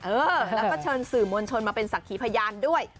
เออแล้วก็เชิญสื่อมวลชนมาเป็นสักขีพยานด้วย